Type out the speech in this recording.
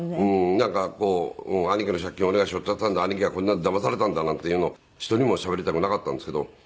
なんかこう兄貴の借金俺が背負ってやったんだ兄貴がこんなだまされたんだなんて言うの人にもしゃべりたくなかったんですけど。